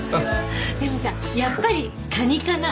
でもさやっぱりカニかな？